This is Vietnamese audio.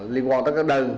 liên quan tới các đơn